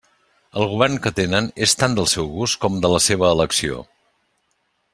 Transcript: El govern que tenen és tant del seu gust com de la seva elecció.